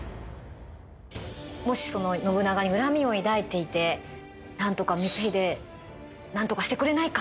もし信長に恨みを抱いていて「なんとか光秀なんとかしてくれないか？」